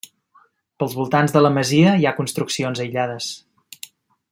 Pels voltants de la masia hi ha construccions aïllades.